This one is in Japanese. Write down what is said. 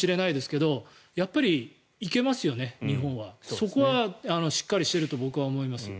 そこはしっかりしていると僕は思います。